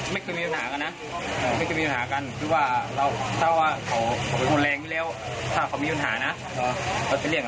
มีปัญหาเขาใส่ผมก่อนเลย